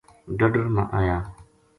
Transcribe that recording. ڈڈر ما آیا